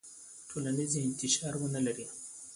ټولنیز انتشار ونلري.